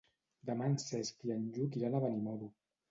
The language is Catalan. Demà en Cesc i en Lluc iran a Benimodo.